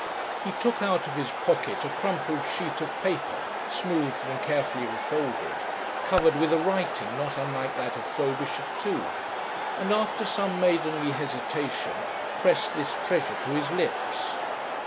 He took out of his pocket a crumpled sheet of paper, smoothed and carefully refolded, covered with a writing not unlike that of Frobisher ii., and after some maidenly hesitation pressed this treasure to his lips.